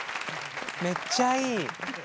めっちゃいい。